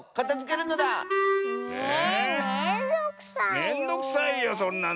めんどくさいよそんなの。